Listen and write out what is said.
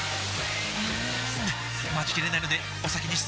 うーん待ちきれないのでお先に失礼！